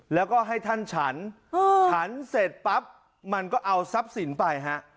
แล้วก็ให้ท่านฉันฉันเสร็จปั๊บมันก็เอาทรัพย์สินไปฮะ